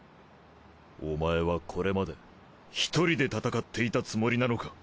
お前はこれまで１人で戦っていたつもりなのか？